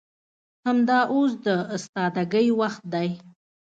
همدا اوس د استادګۍ وخت دى.